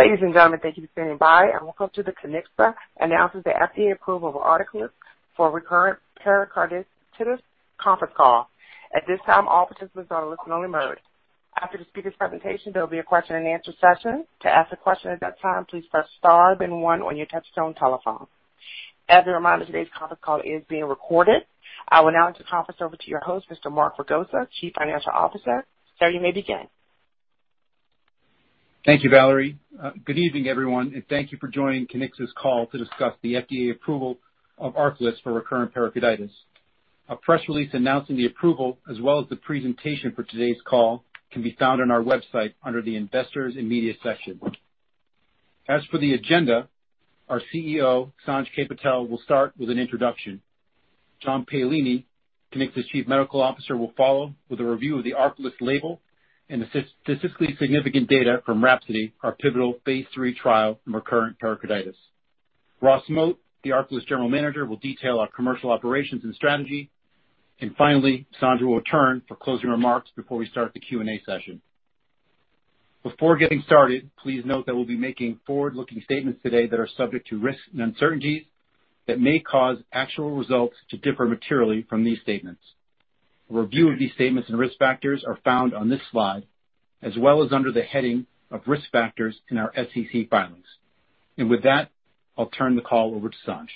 Ladies and gentlemen, thank you for standing by, and welcome to the Kiniksa Announcements of FDA Approval of ARCALYST for recurrent pericarditis conference call. At this time, all participants are in listen-only mode. After the speakers' presentation, there will be a question and answer session. To ask a question at that time, please press star then one on your touchtone telephone. As a reminder, today's conference call is being recorded. I will now turn the conference over to your host, Mr. Mark Ragosa, Chief Financial Officer. Sir, you may begin. Thank you, Valerie. Good evening, everyone, and thank you for joining Kiniksa's call to discuss the FDA approval of ARCALYST for recurrent pericarditis. A press release announcing the approval, as well as the presentation for today's call, can be found on our website under the Investors and Media section. As for the agenda, our CEO, Sanj K. Patel, will start with an introduction. John Paolini, Kiniksa's Chief Medical Officer, will follow with a review of the ARCALYST label and the statistically significant data from RHAPSODY, our pivotal phase III trial in recurrent pericarditis. Ross Moat, the ARCALYST General Manager, will detail our commercial operations and strategy. Finally, Sanj will return for closing remarks before we start the Q&A session. Before getting started, please note that we'll be making forward-looking statements today that are subject to risks and uncertainties that may cause actual results to differ materially from these statements. A review of these statements and risk factors are found on this slide, as well as under the heading of Risk Factors in our SEC filings. With that, I'll turn the call over to Sanj.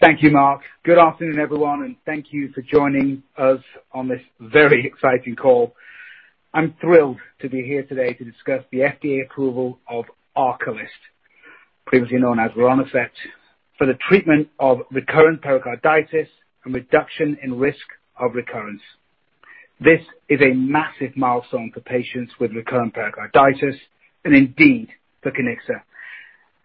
Thank you, Mark. Good afternoon, everyone, and thank you for joining us on this very exciting call. I'm thrilled to be here today to discuss the FDA approval of ARCALYST, previously known as rilonacept, for the treatment of recurrent pericarditis and reduction in risk of recurrence. This is a massive milestone for patients with recurrent pericarditis and indeed for Kiniksa.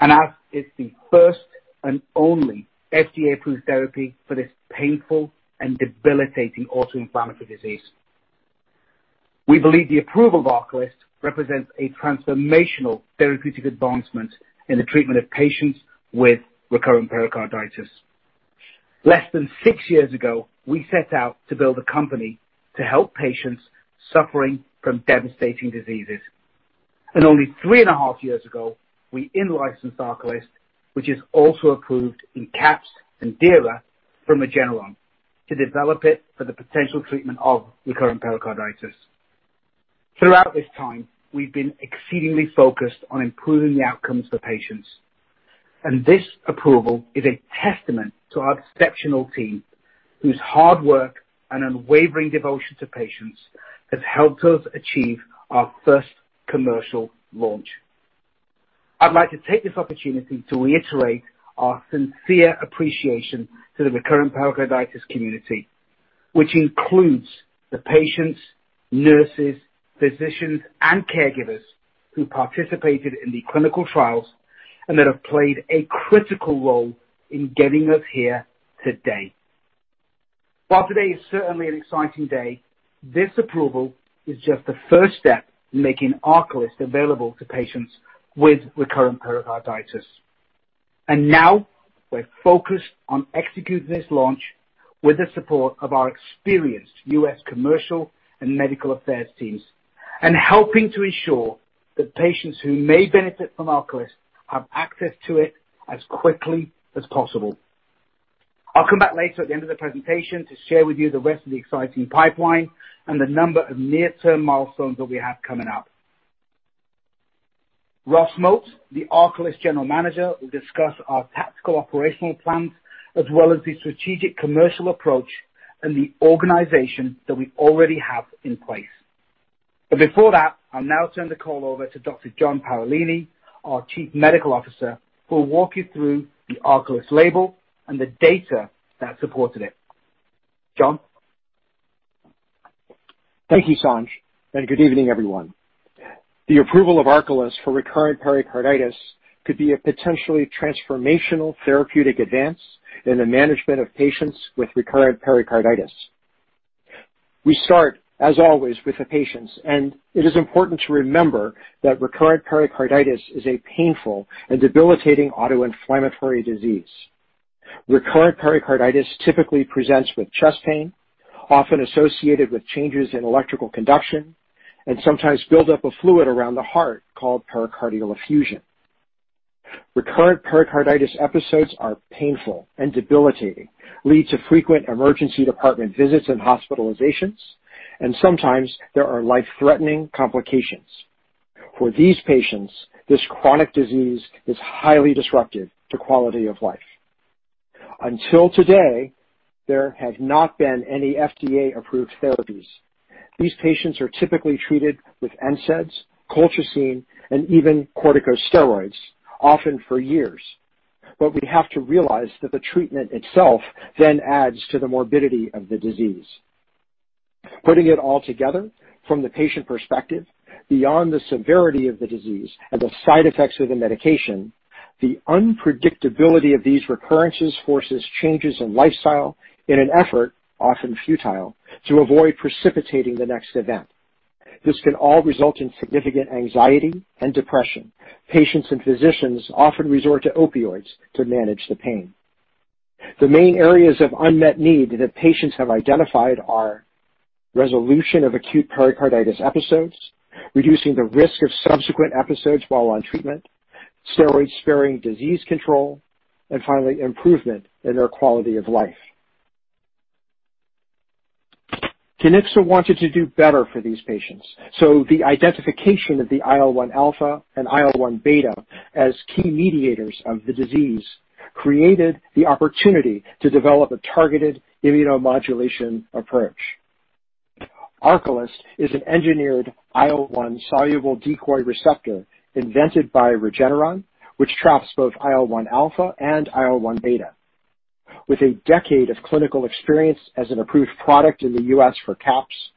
As it's the first and only FDA-approved therapy for this painful and debilitating autoinflammatory disease. We believe the approval of ARCALYST represents a transformational therapeutic advancement in the treatment of patients with recurrent pericarditis. Less than six years ago, we set out to build a company to help patients suffering from devastating diseases. Only three and a half years ago, we in-licensed ARCALYST, which is also approved in CAPS and DIRA from Regeneron, to develop it for the potential treatment of recurrent pericarditis. Throughout this time, we've been exceedingly focused on improving the outcomes for patients. This approval is a testament to our exceptional team, whose hard work and unwavering devotion to patients has helped us achieve our first commercial launch. I'd like to take this opportunity to reiterate our sincere appreciation to the recurrent pericarditis community, which includes the patients, nurses, physicians, and caregivers who participated in the clinical trials and that have played a critical role in getting us here today. While today is certainly an exciting day, this approval is just the first step in making ARCALYST available to patients with recurrent pericarditis. Now we're focused on executing this launch with the support of our experienced U.S. commercial and medical affairs teams and helping to ensure that patients who may benefit from ARCALYST have access to it as quickly as possible. I'll come back later at the end of the presentation to share with you the rest of the exciting pipeline and the number of near-term milestones that we have coming up. Ross Moat, the ARCALYST General Manager, will discuss our tactical operational plans as well as the strategic commercial approach and the organization that we already have in place. Before that, I'll now turn the call over to Dr. John Paolini, our Chief Medical Officer, who will walk you through the ARCALYST label and the data that supported it. John? Thank you, Sanj. Good evening, everyone. The approval of ARCALYST for recurrent pericarditis could be a potentially transformational therapeutic advance in the management of patients with recurrent pericarditis. We start, as always, with the patients, and it is important to remember that recurrent pericarditis is a painful and debilitating autoinflammatory disease. Recurrent pericarditis typically presents with chest pain, often associated with changes in electrical conduction, and sometimes build-up of fluid around the heart called pericardial effusion. Recurrent pericarditis episodes are painful and debilitating, lead to frequent emergency department visits and hospitalizations, and sometimes there are life-threatening complications. For these patients, this chronic disease is highly disruptive to quality of life. Until today, there have not been any FDA-approved therapies. These patients are typically treated with NSAIDs, colchicine, and even corticosteroids, often for years. We have to realize that the treatment itself then adds to the morbidity of the disease. Putting it all together from the patient perspective, beyond the severity of the disease and the side effects of the medication, the unpredictability of these recurrences forces changes in lifestyle in an effort, often futile, to avoid precipitating the next event. This can all result in significant anxiety and depression. Patients and physicians often resort to opioids to manage the pain. The main areas of unmet need that patients have identified are resolution of acute pericarditis episodes, reducing the risk of subsequent episodes while on treatment, steroid-sparing disease control, and finally, improvement in their quality of life. Kiniksa wanted to do better for these patients, the identification of the IL-1 alpha and IL-1 beta as key mediators of the disease created the opportunity to develop a targeted immunomodulation approach. ARCALYST is an engineered IL-1 soluble decoy receptor invented by Regeneron, which traps both IL-1 alpha and IL-1 beta. With a decade of clinical experience as an approved product in the U.S. for CAPS,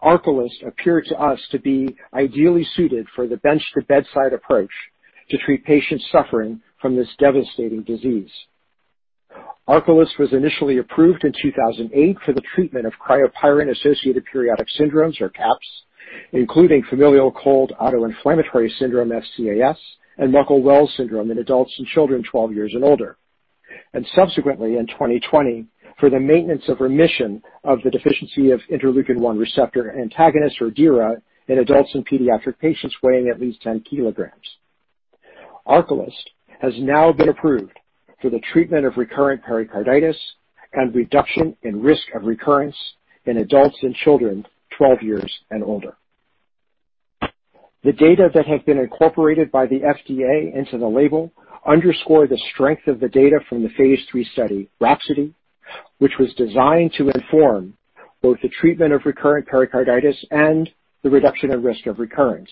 ARCALYST appeared to us to be ideally suited for the bench to bedside approach to treat patients suffering from this devastating disease. ARCALYST was initially approved in 2008 for the treatment of cryopyrin-associated periodic syndromes, or CAPS, including familial cold autoinflammatory syndrome, FCAS, and Muckle-Wells syndrome in adults and children 12 years and older. Subsequently, in 2020, for the maintenance of remission of the deficiency of interleukin-1 receptor antagonist or DIRA in adults and pediatric patients weighing at least 10 kgs. ARCALYST has now been approved for the treatment of recurrent pericarditis and reduction in risk of recurrence in adults and children 12 years and older. The data that have been incorporated by the FDA into the label underscore the strength of the data from the phase III study, RHAPSODY, which was designed to inform both the treatment of recurrent pericarditis and the reduction of risk of recurrence.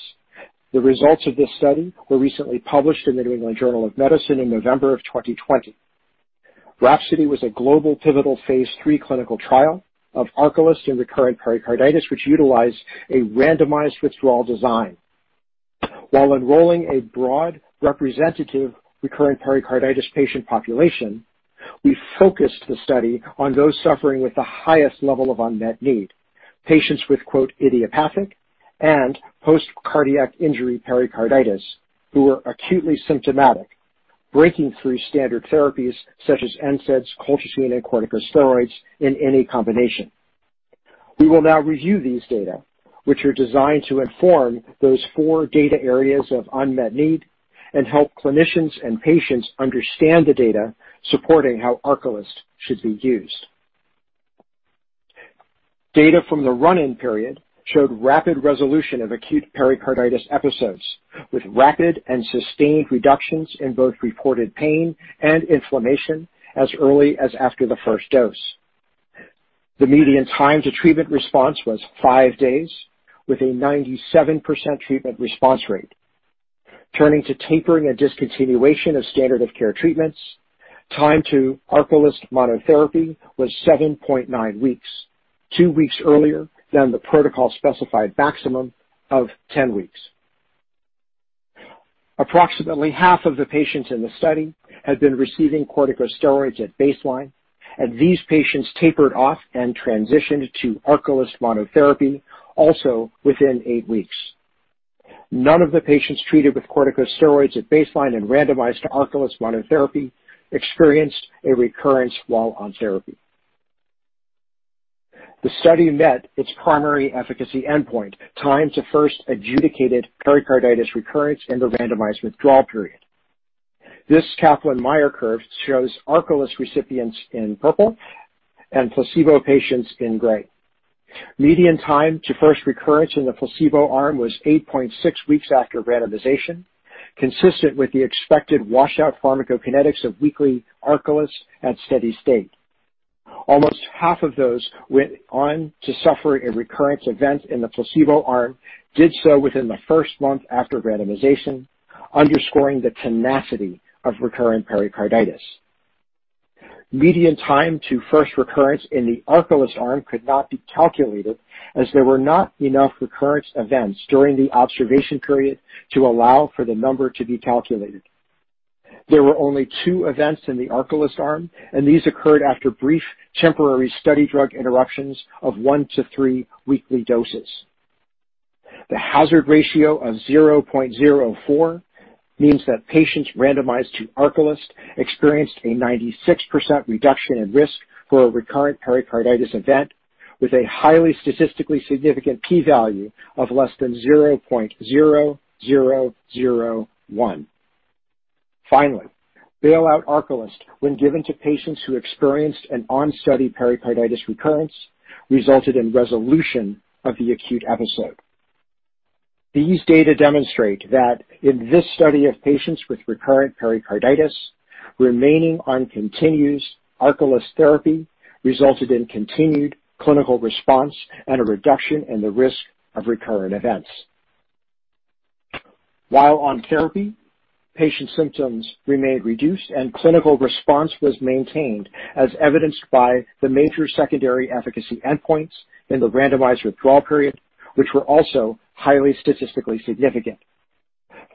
The results of this study were recently published in The New England Journal of Medicine in November of 2020. RHAPSODY was a global pivotal phase III clinical trial of ARCALYST in recurrent pericarditis, which utilized a randomized withdrawal design. While enrolling a broad representative recurrent pericarditis patient population, we focused the study on those suffering with the highest level of unmet need. Patients with, quote, idiopathic and post-cardiac injury pericarditis who were acutely symptomatic, breaking through standard therapies such as NSAIDs, colchicine, and corticosteroids in any combination. We will now review these data, which are designed to inform those four data areas of unmet need and help clinicians and patients understand the data supporting how ARCALYST should be used. Data from the run-in period showed rapid resolution of acute pericarditis episodes, with rapid and sustained reductions in both reported pain and inflammation as early as after the first dose. The median time to treatment response was five days, with a 97% treatment response rate. Turning to tapering a discontinuation of standard of care treatments, time to ARCALYST monotherapy was 7.9 weeks, two weeks earlier than the protocol-specified maximum of 10 weeks. Approximately half of the patients in the study had been receiving corticosteroids at baseline, and these patients tapered off and transitioned to ARCALYST monotherapy also within eight weeks. None of the patients treated with corticosteroids at baseline and randomized to ARCALYST monotherapy experienced a recurrence while on therapy. The study met its primary efficacy endpoint, time to first adjudicated pericarditis recurrence in the randomized withdrawal period. This Kaplan-Meier curve shows ARCALYST recipients in purple and placebo patients in gray. Median time to first recurrence in the placebo arm was 8.6 weeks after randomization, consistent with the expected washout pharmacokinetics of weekly ARCALYST at steady state. Almost half of those went on to suffer a recurrence event in the placebo arm did so within the first month after randomization, underscoring the tenacity of recurrent pericarditis. Median time to first recurrence in the ARCALYST arm could not be calculated as there were not enough recurrence events during the observation period to allow for the number to be calculated. There were only two events in the ARCALYST arm, and these occurred after brief temporary study drug interruptions of one to three weekly doses. The hazard ratio of 0.04 means that patients randomized to ARCALYST experienced a 96% reduction in risk for a recurrent pericarditis event with a highly statistically significant p-value of < 0.0001. Finally, bailout ARCALYST, when given to patients who experienced an on-study pericarditis recurrence, resulted in resolution of the acute episode. These data demonstrate that in this study of patients with recurrent pericarditis, remaining on continuous ARCALYST therapy resulted in continued clinical response and a reduction in the risk of recurrent events. While on therapy, patient symptoms remained reduced and clinical response was maintained, as evidenced by the major secondary efficacy endpoints in the randomized withdrawal period, which were also highly statistically significant.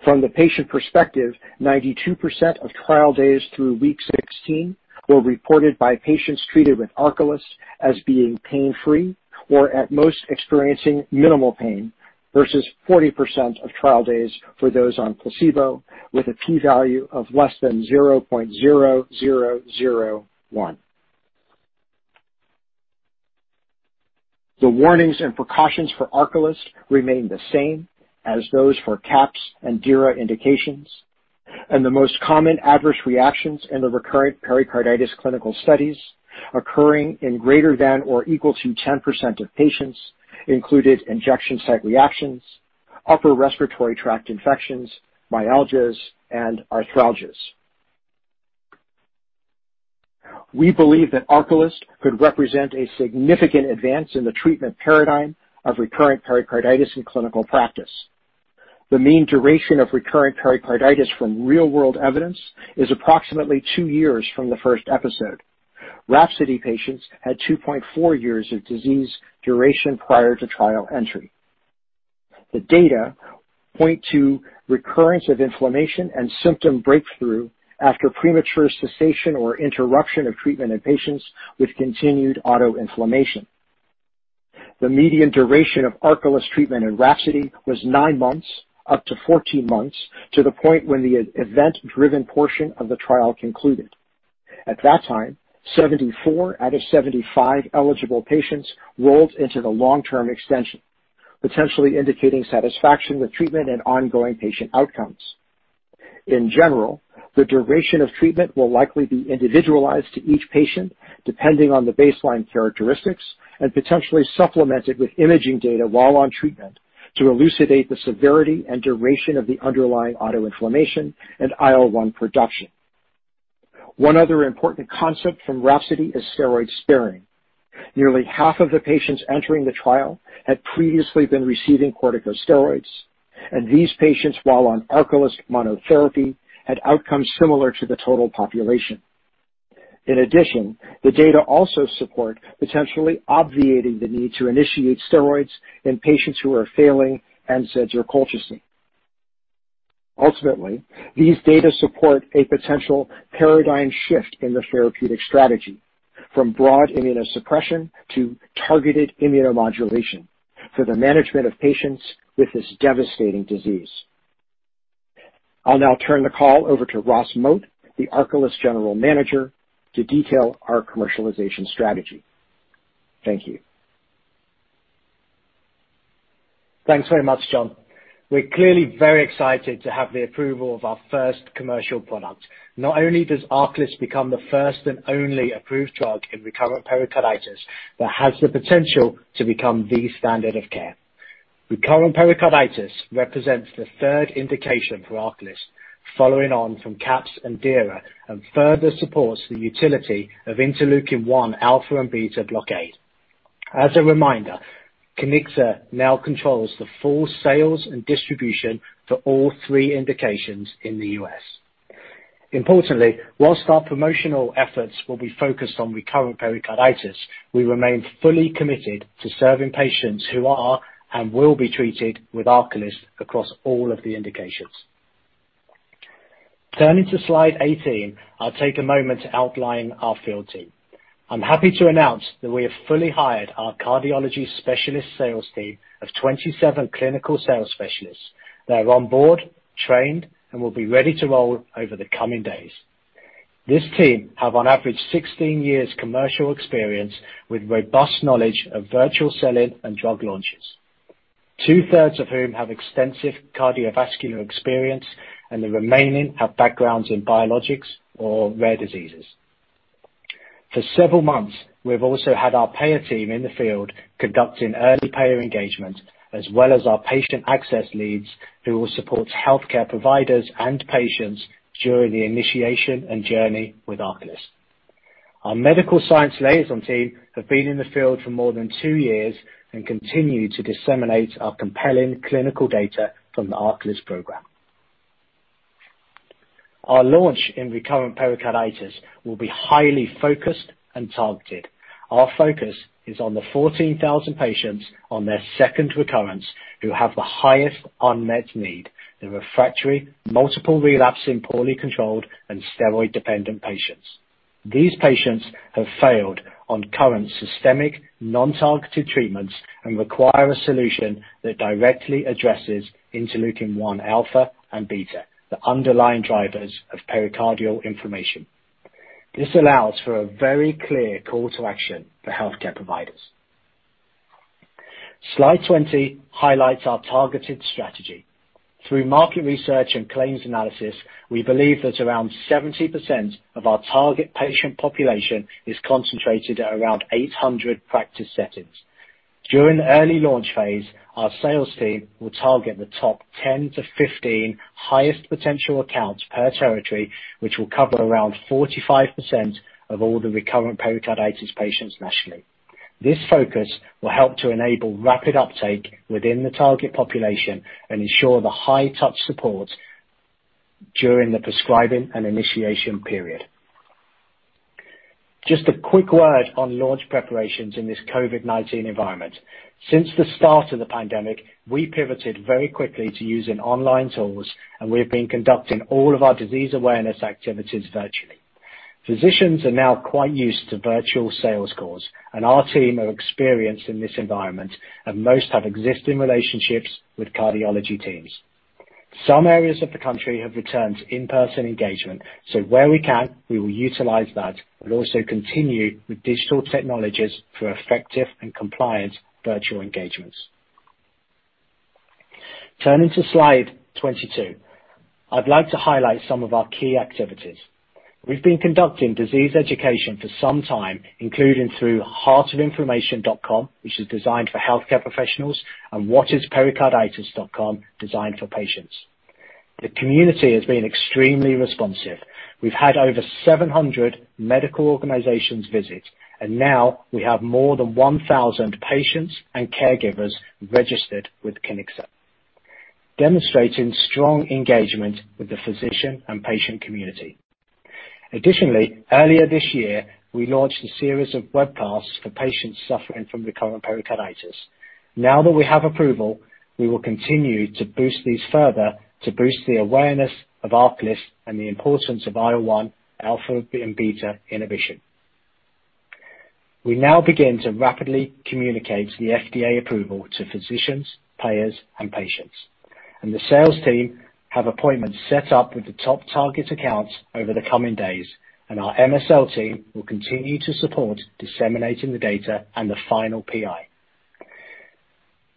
From the patient perspective, 92% of trial days through week 16 were reported by patients treated with ARCALYST as being pain-free or at most experiencing minimal pain versus 40% of trial days for those on placebo, with a p-value of <0.0001. The warnings and precautions for ARCALYST remain the same as those for CAPS and DIRA indications, and the most common adverse reactions in the recurrent pericarditis clinical studies occurring in greater than or equal to 10% of patients included injection site reactions, upper respiratory tract infections, myalgias, and arthralgias. We believe that ARCALYST could represent a significant advance in the treatment paradigm of recurrent pericarditis in clinical practice. The mean duration of recurrent pericarditis from real-world evidence is approximately two years from the first episode. RHAPSODY patients had 2.4 years of disease duration prior to trial entry. The data point to recurrence of inflammation and symptom breakthrough after premature cessation or interruption of treatment in patients with continued autoinflammation. The median duration of ARCALYST treatment in RHAPSODY was nine months, up to 14 months, to the point when the event-driven portion of the trial concluded. At that time, 74 out of 75 eligible patients rolled into the long-term extension, potentially indicating satisfaction with treatment and ongoing patient outcomes. In general, the duration of treatment will likely be individualized to each patient, depending on the baseline characteristics, and potentially supplemented with imaging data while on treatment to elucidate the severity and duration of the underlying autoinflammation and IL-1 production. One other important concept from RHAPSODY is steroid-sparing. Nearly half of the patients entering the trial had previously been receiving corticosteroids. These patients, while on ARCALYST monotherapy, had outcomes similar to the total population. In addition, the data also support potentially obviating the need to initiate steroids in patients who are failing NSAIDs or colchicine. Ultimately, these data support a potential paradigm shift in the therapeutic strategy from broad immunosuppression to targeted immunomodulation for the management of patients with this devastating disease. I'll now turn the call over to Ross Moat, the ARCALYST General Manager, to detail our commercialization strategy. Thank you. Thanks very much, John. We're clearly very excited to have the approval of our first commercial product. Not only does ARCALYST become the first and only approved drug in recurrent pericarditis that has the potential to become the standard of care. Recurrent pericarditis represents the third indication for ARCALYST, following on from CAPS and DIRA, and further supports the utility of interleukin-1 alpha and beta blockade. As a reminder, Kiniksa now controls the full sales and distribution for all three indications in the U.S. Importantly, whilst our promotional efforts will be focused on recurrent pericarditis, we remain fully committed to serving patients who are and will be treated with ARCALYST across all of the indications. Turning to slide 18, I'll take a moment to outline our field team. I'm happy to announce that we have fully hired our cardiology specialist sales team of 27 clinical sales specialists. They are on board, trained, and will be ready to roll over the coming days. This team have on average 16 years commercial experience with robust knowledge of virtual selling and drug launches, two-thirds of whom have extensive cardiovascular experience, and the remaining have backgrounds in biologics or rare diseases. For several months, we've also had our payer team in the field conducting early payer engagement, as well as our patient access leads who will support healthcare providers and patients during the initiation and journey with ARCALYST. Our medical science liaison team have been in the field for more than two years and continue to disseminate our compelling clinical data from` the ARCALYST program. Our launch in recurrent pericarditis will be highly focused and targeted. Our focus is on the 14,000 patients on their second recurrence who have the highest unmet need in refractory, multiple relapsing, poorly controlled, and steroid-dependent patients. These patients have failed on current systemic non-targeted treatments and require a solution that directly addresses interleukin-1 alpha and beta, the underlying drivers of pericardial inflammation. This allows for a very clear call to action for healthcare providers. Slide 20 highlights our targeted strategy. Through market research and claims analysis, we believe that around 70% of our target patient population is concentrated at around 800 practice settings. During the early launch phase, our sales team will target the top 10-15 highest potential accounts per territory, which will cover around 45% of all the recurrent pericarditis patients nationally. This focus will help to enable rapid uptake within the target population and ensure the high-touch support during the prescribing and initiation period. Just a quick word on launch preparations in this COVID-19 environment. Since the start of the pandemic, we pivoted very quickly to using online tools, and we have been conducting all of our disease awareness activities virtually. Physicians are now quite used to virtual sales calls, and our team are experienced in this environment, and most have existing relationships with cardiology teams. Some areas of the country have returned to in-person engagement, so where we can, we will utilize that, but also continue with digital technologies for effective and compliant virtual engagements. Turning to slide 22. I'd like to highlight some of our key activities. We've been conducting disease education for some time, including through heartofinflammation.com, which is designed for healthcare professionals, and whatispericarditis.com, designed for patients. The community has been extremely responsive. We've had over 700 medical organizations visit. Now we have more than 1,000 patients and caregivers registered with Kiniksa, demonstrating strong engagement with the physician and patient community. Additionally, earlier this year, we launched a series of webcasts for patients suffering from recurrent pericarditis. Now that we have approval, we will continue to boost these further to boost the awareness of ARCALYST and the importance of IL-1 alpha and beta inhibition. We now begin to rapidly communicate the FDA approval to physicians, payers, and patients. The sales team have appointments set up with the top target accounts over the coming days, and our MSL team will continue to support disseminating the data and the final PI.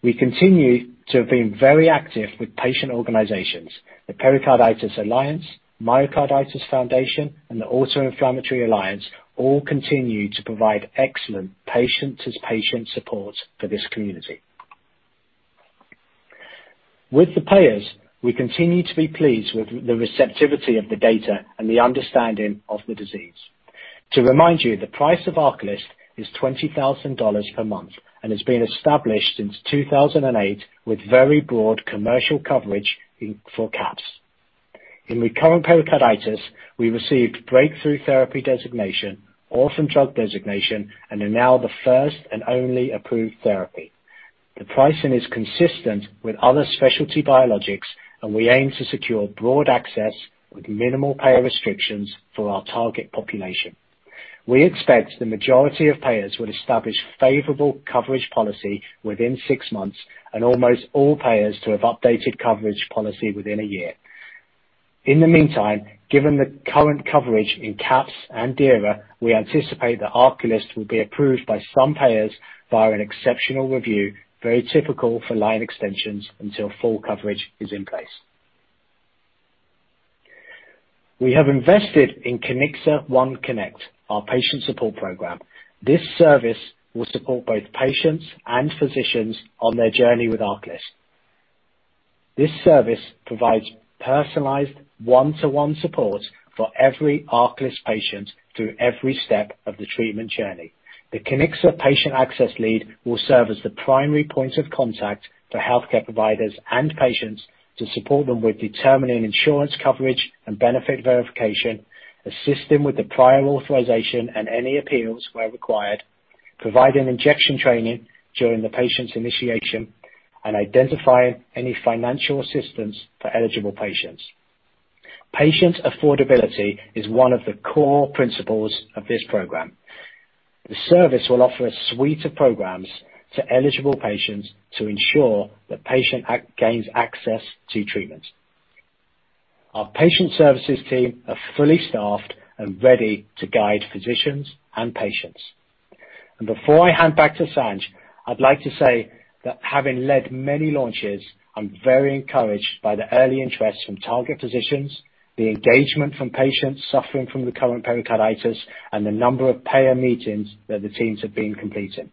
We continue to have been very active with patient organizations. The Pericarditis Alliance, Myocarditis Foundation, and the Autoinflammatory Alliance all continue to provide excellent patient-to-patient support for this community. With the payers, we continue to be pleased with the receptivity of the data and the understanding of the disease. To remind you, the price of ARCALYST is $20,000 per month and has been established since 2008 with very broad commercial coverage for CAPS. In recurrent pericarditis, we received Breakthrough Therapy designation, Orphan Drug designation, and are now the first and only approved therapy. The pricing is consistent with other specialty biologics, and we aim to secure broad access with minimal payer restrictions for our target population. We expect the majority of payers will establish favorable coverage policy within six months, and almost all payers to have updated coverage policy within a year. In the meantime, given the current coverage in CAPS and DIRA, we anticipate that ARCALYST will be approved by some payers via an exceptional review, very typical for line extensions until full coverage is in place. We have invested in Kiniksa OneConnect, our patient support program. This service will support both patients and physicians on their journey with ARCALYST. This service provides personalized one-to-one support for every ARCALYST patient through every step of the treatment journey. The Kiniksa patient access lead will serve as the primary point of contact for healthcare providers and patients to support them with determining insurance coverage and benefit verification, assisting with the prior authorization and any appeals where required, providing injection training during the patient's initiation, and identifying any financial assistance for eligible patients. Patient affordability is one of the core principles of this program. The service will offer a suite of programs to eligible patients to ensure the patient gains access to treatment. Our patient services team are fully staffed and ready to guide physicians and patients. Before I hand back to Sanj, I'd like to say that having led many launches, I'm very encouraged by the early interest from target physicians, the engagement from patients suffering from recurrent pericarditis, and the number of payer meetings that the teams have been completing.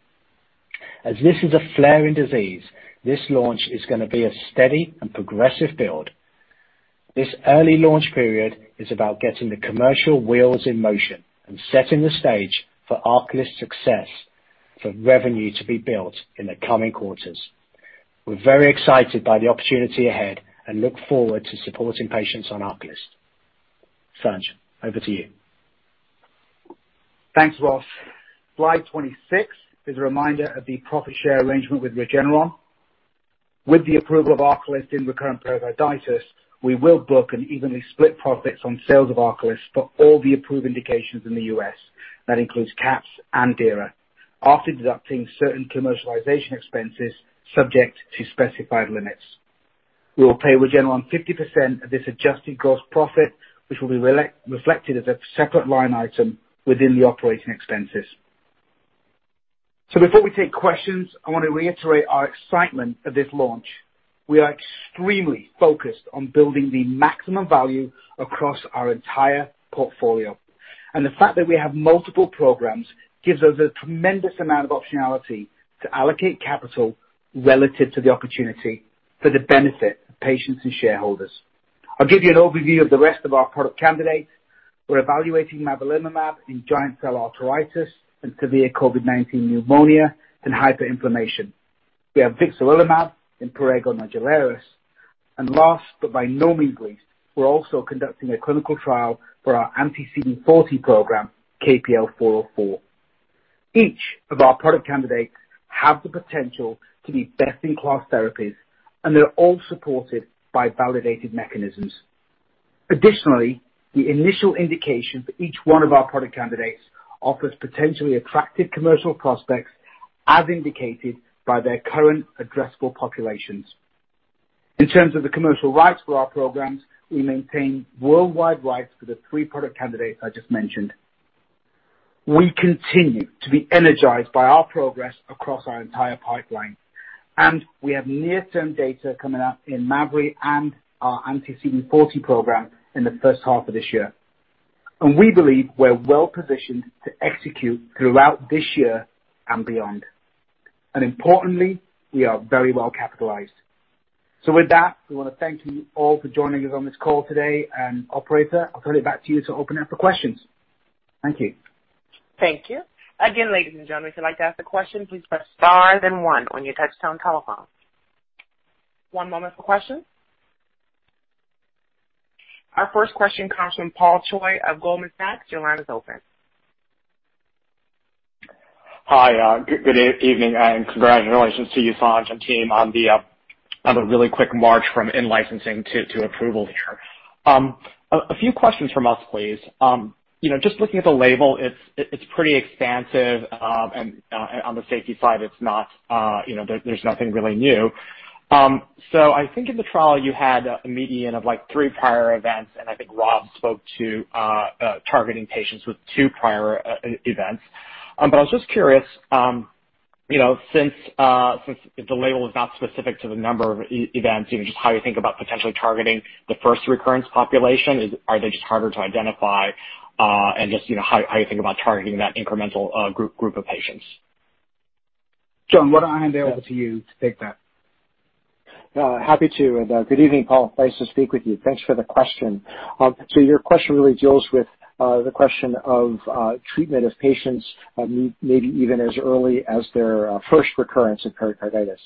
This is a flaring disease, this launch is gonna be a steady and progressive build. This early launch period is about getting the commercial wheels in motion and setting the stage for ARCALYST success for revenue to be built in the coming quarters. We're very excited by the opportunity ahead and look forward to supporting patients on ARCALYST. Sanj, over to you. Thanks, Ross. Slide 26 is a reminder of the profit-share arrangement with Regeneron. With the approval of ARCALYST in recurrent pericarditis, we will book and evenly split profits on sales of ARCALYST for all the approved indications in the U.S., that includes CAPS and DIRA, after deducting certain commercialization expenses subject to specified limits. We will pay Regeneron 50% of this adjusted gross profit, which will be reflected as a separate line item within the operating expenses. Before we take questions, I want to reiterate our excitement for this launch. We are extremely focused on building the maximum value across our entire portfolio. The fact that we have multiple programs gives us a tremendous amount of optionality to allocate capital relative to the opportunity for the benefit of patients and shareholders. I'll give you an overview of the rest of our product candidates. We're evaluating mavrilimumab in giant cell arteritis and severe COVID-19 pneumonia and hyperinflammation. We have vixarelimab in prurigo nodularis. Last, but by no means least, we're also conducting a clinical trial for our anti-CD40 program, KPL-404. Each of our product candidates have the potential to be best-in-class therapies, and they're all supported by validated mechanisms. Additionally, the initial indication for each one of our product candidates offers potentially attractive commercial prospects, as indicated by their current addressable populations. In terms of the commercial rights for our programs, we maintain worldwide rights for the three product candidates I just mentioned. We continue to be energized by our progress across our entire pipeline, and we have near-term data coming out in mavrilimumab and our anti-CD40 program in the first half of this year. We believe we're well-positioned to execute throughout this year and beyond. Importantly, we are very well capitalized. With that, we want to thank you all for joining us on this call today, and operator, I'll turn it back to you to open it up for questions. Thank you. Thank you. Again, ladies and gentlemen, if you'd like to ask a question, please press star then one on your touchtone telephone. One moment for questions. Our first question comes from Paul Choi of Goldman Sachs. Your line is open. Hi, good evening, and congratulations to you, Sanj and team, on the really quick march from in-licensing to approval here. A few questions from us, please. Just looking at the label, it's pretty expansive, and on the safety side, there's nothing really new. I think in the trial you had a median of three prior events, and I think Ross spoke to targeting patients with two prior events. I was just curious, since the label is not specific to the number of events, just how you think about potentially targeting the first recurrence population. Are they just harder to identify? Just, how you think about targeting that incremental group of patients? John, why don't I hand over to you to take that? Happy to. Good evening, Paul. Nice to speak with you. Thanks for the question. Your question really deals with the question of treatment of patients, maybe even as early as their first recurrence of pericarditis.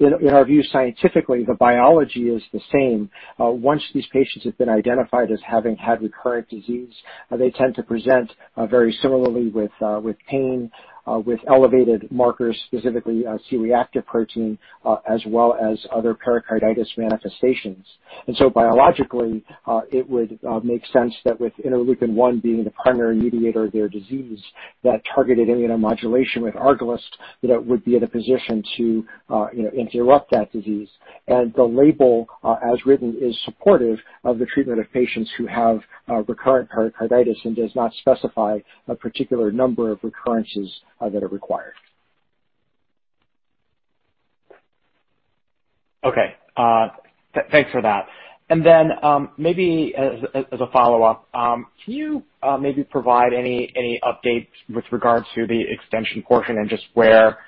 In our view, scientifically, the biology is the same. Once these patients have been identified as having had recurrent disease, they tend to present very similarly with pain, with elevated markers, specifically C-reactive protein, as well as other pericarditis manifestations. Biologically, it would make sense that with interleukin-1 being the primary mediator of their disease, that targeted immunomodulation with ARCALYST would be in a position to interrupt that disease. The label, as written, is supportive of the treatment of patients who have recurrent pericarditis and does not specify a particular number of recurrences that are required. Okay. Thanks for that. Maybe as a follow-up, can you maybe provide any updates with regards to the extension portion and just where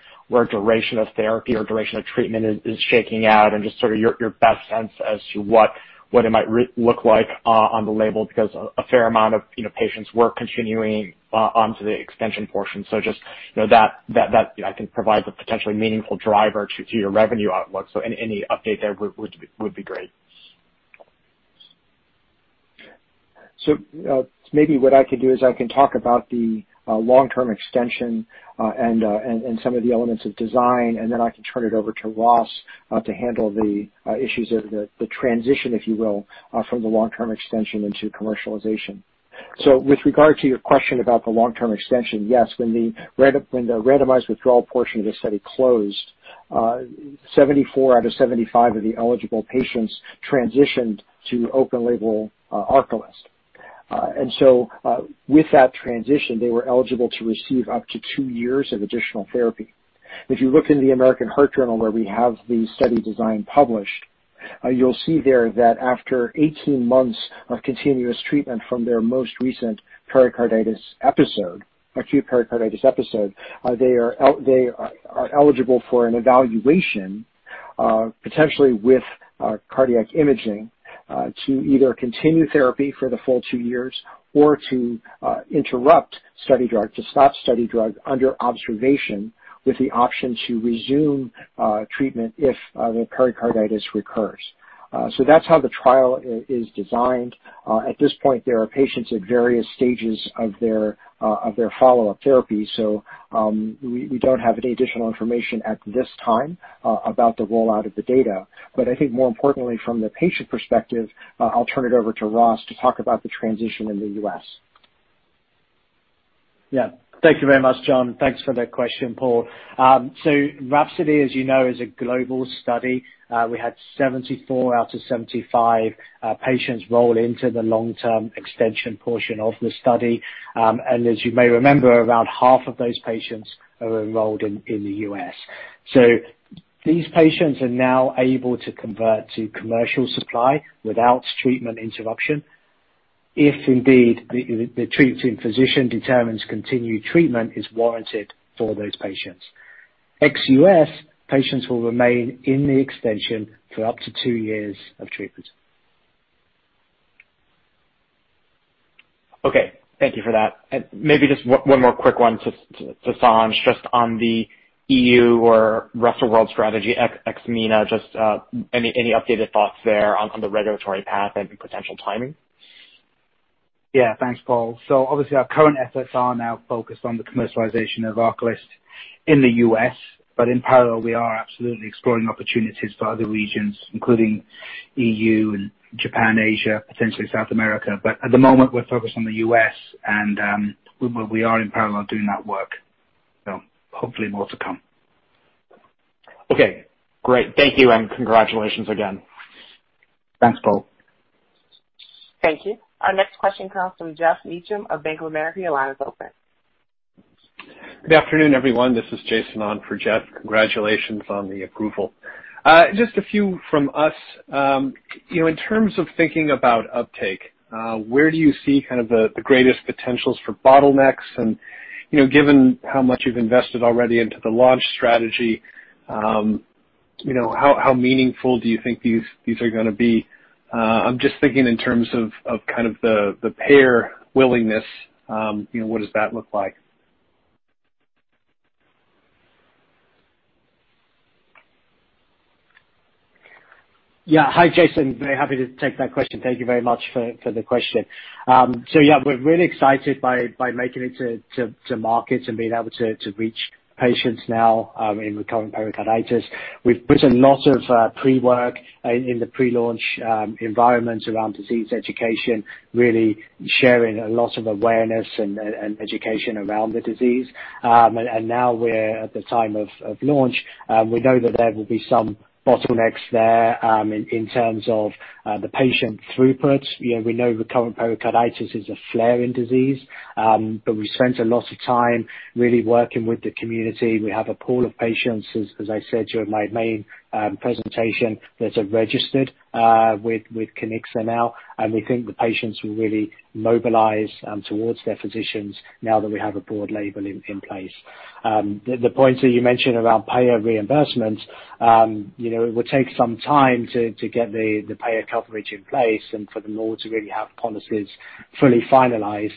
duration of therapy or duration of treatment is shaking out and just sort of your best sense as to what it might look like on the label? Because a fair amount of patients were continuing onto the extension portion. Just that I think provides a potentially meaningful driver to your revenue outlook. Any update there would be great. Maybe what I could do is I can talk about the long-term extension and some of the elements of design, and then I can turn it over to Ross to handle the issues of the transition, if you will, from the long-term extension into commercialization. With regard to your question about the long-term extension, yes, when the randomized withdrawal portion of the study closed, 74 out of 75 of the eligible patients transitioned to open label ARCALYST. With that transition, they were eligible to receive up to two years of additional therapy. If you look in the American Heart Journal, where we have the study design published, you'll see there that after 18 months of continuous treatment from their most recent pericarditis episode, acute pericarditis episode, they are eligible for an evaluation, potentially with cardiac imaging, to either continue therapy for the full two years or to interrupt study drug, to stop study drug under observation with the option to resume treatment if the pericarditis recurs. That's how the trial is designed. At this point, there are patients at various stages of their follow-up therapy, so we don't have any additional information at this time about the rollout of the data. I think more importantly, from the patient perspective, I'll turn it over to Ross to talk about the transition in the U.S. Thank you very much, John. Thanks for that question, Paul. RHAPSODY, as you know, is a global study. We had 74 out of 75 patients roll into the long-term extension portion of the study. As you may remember, around half of those patients are enrolled in the U.S. These patients are now able to convert to commercial supply without treatment interruption if indeed the treating physician determines continued treatment is warranted for those patients. Ex-U.S. patients will remain in the extension for up to two years of treatment. Okay. Thank you for that. Maybe just one more quick one to Sanj, just on the EU or rest-of-world strategy, ex-MENA, just any updated thoughts there on the regulatory path and potential timing? Yeah. Thanks, Paul. Obviously our current efforts are now focused on the commercialization of ARCALYST in the U.S., but in parallel, we are absolutely exploring opportunities for other regions, including EU and Japan, Asia, potentially South America. At the moment, we're focused on the U.S. and we are in parallel doing that work. Hopefully more to come. Okay. Great. Thank you, and congratulations again. Thanks, Paul. Thank you. Our next question comes from Geoff Meacham of Bank of America. Your line is open. Good afternoon, everyone. This is Jason on for Geoff. Congratulations on the approval. Just a few from us. In terms of thinking about uptake, where do you see the greatest potentials for bottlenecks and, given how much you've invested already into the launch strategy, how meaningful do you think these are going to be? I'm just thinking in terms of the payer willingness, what does that look like? Yeah. Hi, Jason. Very happy to take that question. Thank you very much for the question. Yeah, we're really excited by making it to market and being able to reach patients now in recurrent pericarditis. We've put a lot of pre-work in the pre-launch environment around disease education, really sharing a lot of awareness and education around the disease. Now we're at the time of launch. We know that there will be some bottlenecks there, in terms of the patient throughput. We know recurrent pericarditis is a flaring disease, but we spent a lot of time really working with the community. We have a pool of patients, as I said during my main presentation, that have registered with Kiniksa now, and we think the patients will really mobilize towards their physicians now that we have a broad label in place. The points that you mentioned around payer reimbursement, it will take some time to get the payer coverage in place and for them all to really have policies fully finalized.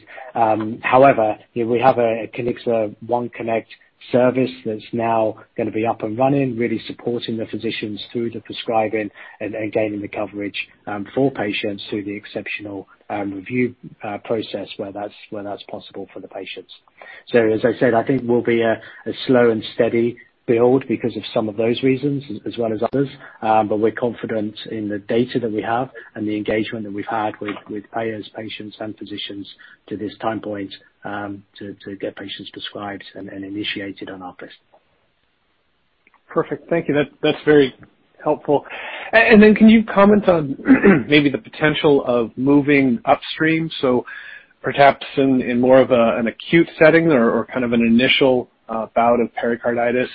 However, we have a Kiniksa OneConnect service that's now going to be up and running, really supporting the physicians through the prescribing and gaining the coverage for patients through the exceptional review process, where that's possible for the patients. As I said, I think we'll be a slow and steady build because of some of those reasons as well as others. We're confident in the data that we have and the engagement that we've had with payers, patients, and physicians to this time point, to get patients prescribed and initiated on ARCALYST. Perfect. Thank you. That's very helpful. Can you comment on maybe the potential of moving upstream, so perhaps in more of an acute setting or kind of an initial bout of pericarditis,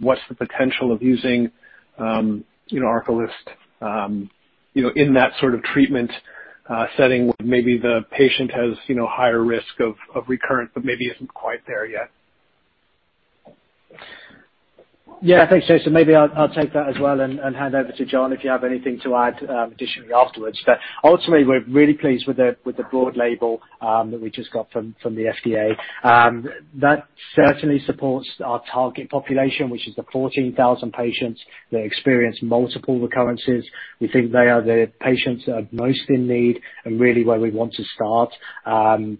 what's the potential of using ARCALYST in that sort of treatment setting where maybe the patient has higher risk of recurrence but maybe isn't quite there yet? Yeah, thanks, Jason. Maybe I'll take that as well and hand over to John if you have anything to add additionally afterwards. Ultimately, we're really pleased with the broad label that we just got from the FDA. That certainly supports our target population, which is the 14,000 patients that experience multiple recurrences. We think they are the patients that are most in need and really where we want to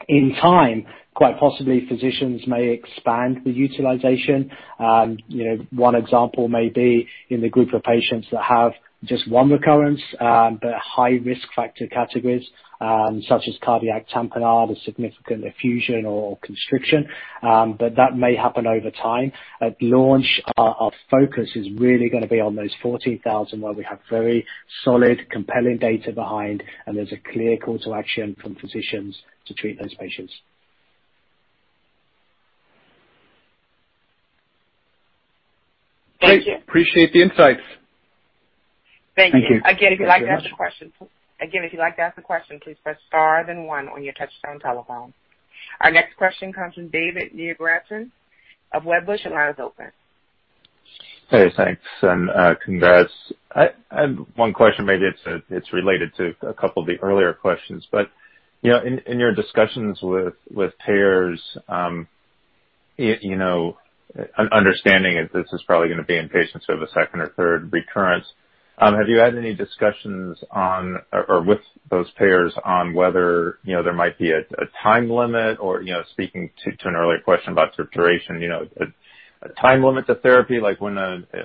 start. In time, quite possibly, physicians may expand the utilization. One example may be in the group of patients that have just one recurrence, but high risk factor categories, such as cardiac tamponade with significant effusion or constriction. That may happen over time. At launch, our focus is really going to be on those 14,000 where we have very solid, compelling data behind, and there's a clear call to action from physicians to treat those patients. Thank you. Appreciate the insights. Thank you. Thank you. Again if you'd like to ask a question, please press star then one on your touchpad telephone. Our next question comes from David Nierengarten of Wedbush. Your line is open. Hey, thanks, and congrats. I have one question, maybe it's related to a couple of the earlier questions. In your discussions with payers, understanding that this is probably going to be in patients who have a second or third recurrence, have you had any discussions with those payers on whether there might be a time limit or speaking to an earlier question about sort of duration, a time limit to therapy,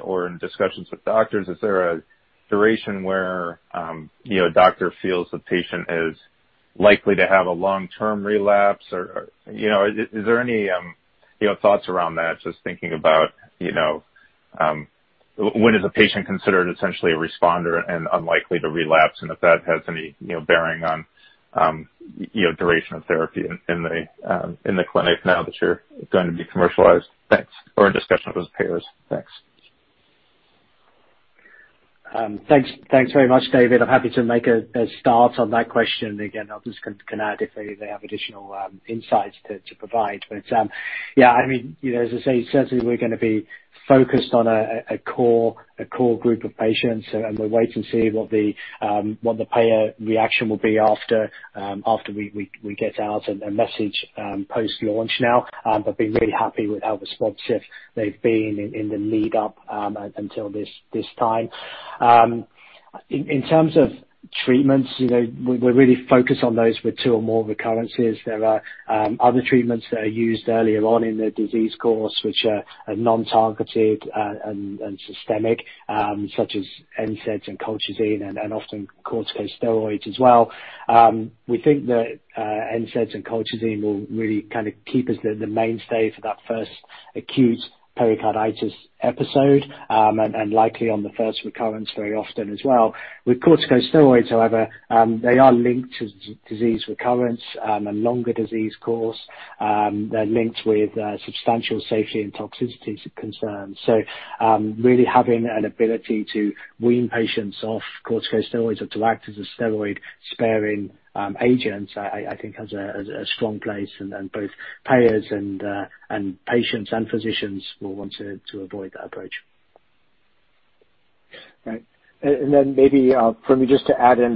or in discussions with doctors, is there a duration where a doctor feels the patient is likely to have a long-term relapse or is there any thoughts around that? Just thinking about when is a patient considered essentially a responder and unlikely to relapse and if that has any bearing on duration of therapy in the clinic now that you're going to be commercialized. Thanks. A discussion with payers. Thanks. Thanks very much, David. I'm happy to make a start on that question. Again, others can add if they have additional insights to provide. Yeah, as I say, certainly we're going to be focused on a core group of patients, and we'll wait and see what the payer reaction will be after we get out a message, post-launch now. We've been really happy with how responsive they've been in the lead up until this time. Treatments. We're really focused on those with two or more recurrences. There are other treatments that are used earlier on in the disease course, which are non-targeted and systemic, such as NSAIDs and colchicine and often corticosteroids as well. We think that NSAIDs and colchicine will really keep as the mainstay for that first acute pericarditis episode, and likely on the first recurrence very often as well. Corticosteroids, however, they are linked to disease recurrence and longer disease course. They're linked with substantial safety and toxicity concerns. Really having an ability to wean patients off corticosteroids or to act as a steroid-sparing agent, I think, has a strong place and both payers and patients and physicians will want to avoid that approach. Right. Maybe for me just to add in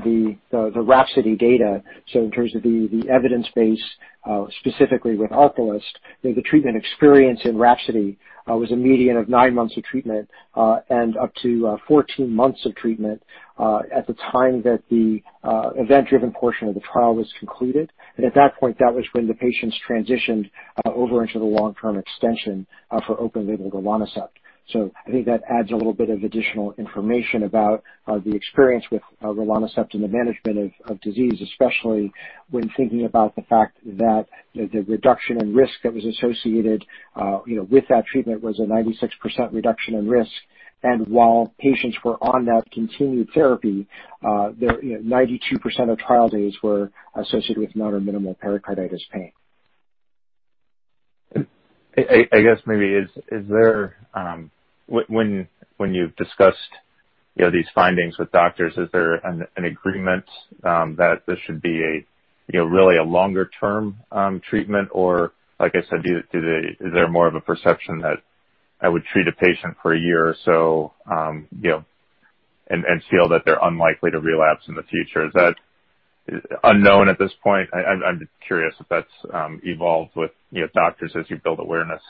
the RHAPSODY data. In terms of the evidence base, specifically with ARCALYST, the treatment experience in RHAPSODY was a median of nine months of treatment and up to 14 months of treatment at the time that the event-driven portion of the trial was concluded. At that point, that was when the patients transitioned over into the long-term extension for open-label rilonacept. I think that adds a little bit of additional information about the experience with rilonacept and the management of disease, especially when thinking about the fact that the reduction in risk that was associated with that treatment was a 96% reduction in risk. While patients were on that continued therapy, 92% of trial days were associated with no or minimal pericarditis pain. I guess maybe, when you've discussed these findings with doctors, is there an agreement that this should be really a longer-term treatment? Like I said, is there more of a perception that I would treat a patient for a year or so and feel that they're unlikely to relapse in the future? Is that unknown at this point? I'm curious if that's evolved with doctors as you build awareness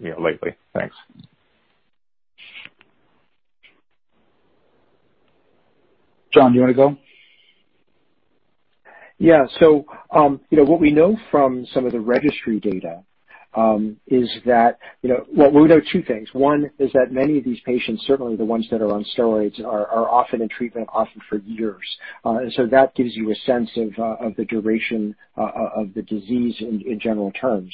lately. Thanks. John, do you want to go? Yeah. What we know from some of the registry data is that we know two things. One is that many of these patients, certainly the ones that are on steroids, are often in treatment, often for years. That gives you a sense of the duration of the disease in general terms.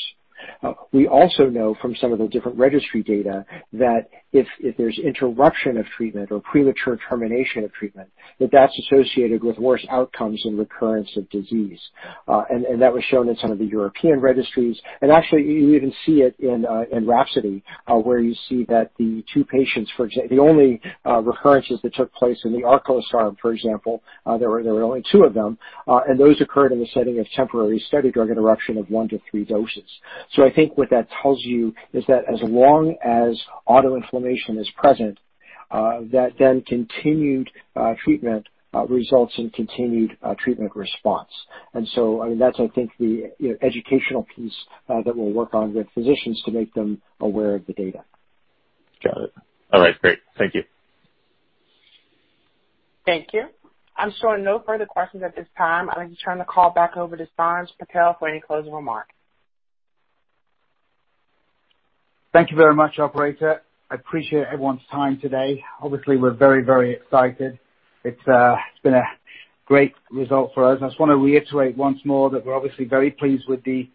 We also know from some of the different registry data that if there's interruption of treatment or premature termination of treatment, that that's associated with worse outcomes and recurrence of disease. That was shown in some of the European registries. Actually, you even see it in RHAPSODY, where you see that the two patients, the only recurrences that took place in the ARCALYST arm, for example, there were only two of them, and those occurred in the setting of temporary study drug interruption of one to three doses. I think what that tells you is that as long as autoinflammation is present, that then continued treatment results in continued treatment response. That's, I think, the educational piece that we'll work on with physicians to make them aware of the data. Got it. All right, great. Thank you. Thank you. I'm showing no further questions at this time. I'd like to turn the call back over to Sanj Patel for any closing remarks. Thank you very much, operator. I appreciate everyone's time today. Obviously, we're very, very excited. It's been a great result for us. I just want to reiterate once more that we're obviously very pleased with the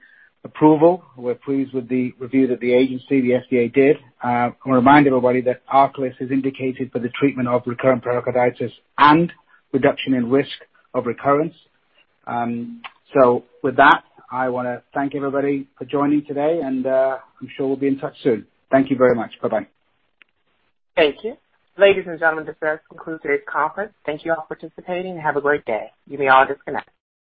approval. We're pleased with the review that the agency, the FDA, did. I want to remind everybody that ARCALYST is indicated for the treatment of recurrent pericarditis and reduction in risk of recurrence. With that, I want to thank everybody for joining today, and I'm sure we'll be in touch soon. Thank you very much. Bye-bye. Thank you. Ladies and gentlemen, this does conclude today's conference. Thank you all for participating and have a great day. You may all disconnect.